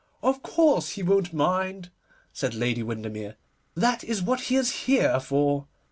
'Of course, he won't mind,' said Lady Windermere, 'that is what he is here for.